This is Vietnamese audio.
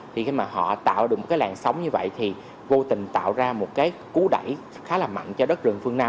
thì khi mà họ tạo được một cái làn sóng như vậy thì vô tình tạo ra một cái cú đẩy khá là mặn cho đất rừng phương nam